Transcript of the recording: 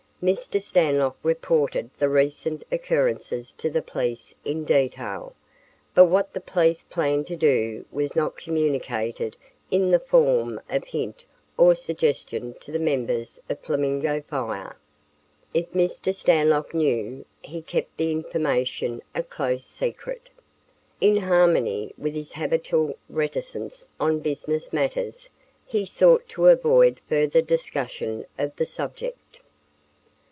Mr. Stanlock reported the recent occurrences to the police in detail, but what the police planned to do was not communicated in the form of hint or suggestion to the members of Flamingo Fire. If Mr. Stanlock knew, he kept the information a close secret. In harmony with his habitual reticence on business matters, he sought to avoid further discussion of the subject.